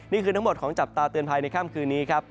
นี่คือทั้งหมดของจับตาเตือนภัยในค่ำคืนนี้ครับ